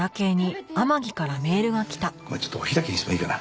ちょっとお開きにしてもいいかな。